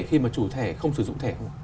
khi mà chủ thẻ không sử dụng thẻ không